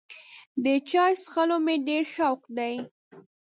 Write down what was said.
د چای څښلو مې ډېر شوق دی.